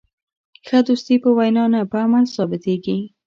ښه دوستي په وینا نه، په عمل ثابتېږي.